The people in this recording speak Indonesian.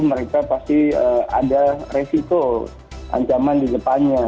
mereka pasti ada resiko ancaman di depannya